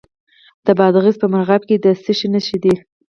د بادغیس په مرغاب کې د څه شي نښې دي؟